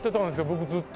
僕ずっと。